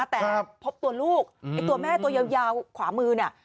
แต่พบตัวลูกตัวแม่ที่ตัวยาวขวามือ